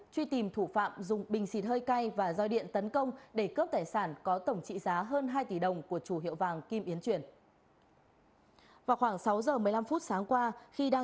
truy tìm thủ phạm dùng bình xịt hơi cay và roi điện tấn công để cướp tài sản có tổng trị giá hơn hai tỷ đồng của chủ hiệu vàng kim yến chuyển